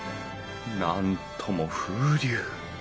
なんとも風流！